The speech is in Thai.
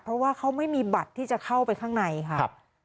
เพราะว่าเขาไม่มีบัตรที่จะเข้าไปข้างในค่ะ